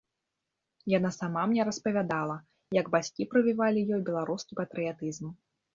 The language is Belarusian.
Яна сама мне распавядала, як бацькі прывівалі ёй беларускі патрыятызм.